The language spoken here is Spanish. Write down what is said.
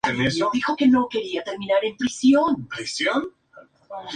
Fue un historiador mexicano.